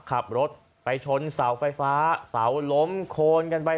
ขับรถไปชนเสาไฟฟ้าเสาล้มโคนกันไป